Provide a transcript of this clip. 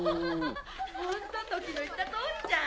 ホントトキの言った通りじゃん！